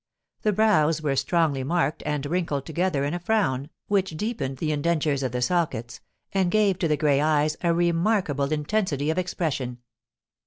The brows were strongly marked and wrinkled together in a frown, which deepened the indentures of the sockets, and gave to the grey eyes a remarkable intensity of expression.